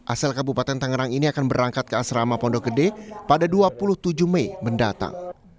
asal kabupaten tangerang ini akan berangkat ke asrama pondok gede pada dua puluh tujuh mei mendatang